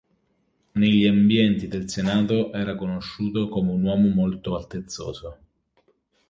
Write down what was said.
Negli ambienti del senato era conosciuto come un uomo molto altezzoso.